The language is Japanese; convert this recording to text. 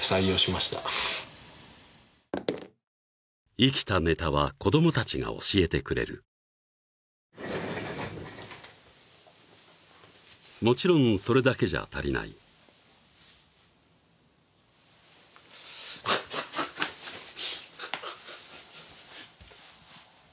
生きたネタは子どもたちが教えてくれるもちろんそれだけじゃ足りないフッフッフッフ